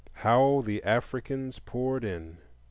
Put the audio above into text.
How the Africans poured in!